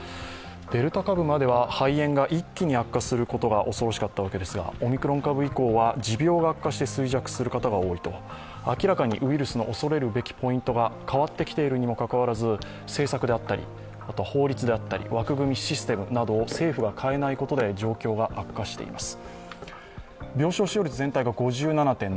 デルタ株までは肺炎が一気に悪化することが恐ろしかったわけですが、オミクロン株以降は、持病が悪化して衰弱することが多いと明らかにウイルスの恐れるべきポイントが変わってきているにもかかわらず政策であったり、法律であったり、枠組み、システムを政府が変えないことで状況が悪化しています。